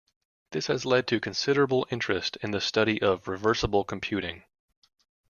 This has led to considerable interest in the study of reversible computing.